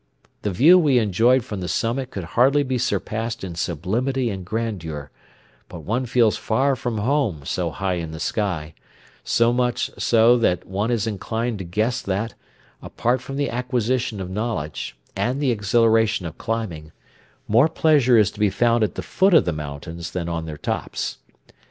The view we enjoyed from the summit could hardly be surpassed in sublimity and grandeur; but one feels far from home so high in the sky, so much so that one is inclined to guess that, apart from the acquisition of knowledge and the exhilaration of climbing, more pleasure is to be found at the foot of the mountains than on their tops.